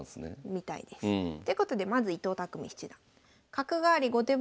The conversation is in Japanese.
みたいです。ということでまず伊藤匠七段。